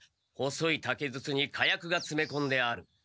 細い竹筒に火薬がつめこんである。